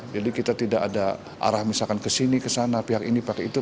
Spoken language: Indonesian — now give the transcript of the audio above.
jadi kita tidak ada arah misalkan kesini kesana pihak ini pihak itu